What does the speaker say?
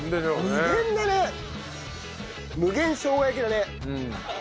無限しょうが焼きだね。